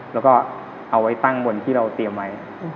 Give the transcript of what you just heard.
แล้วก็เอาไว้ตั้งบนที่เราเตรียมไว้